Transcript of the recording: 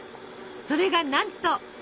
それがなんと！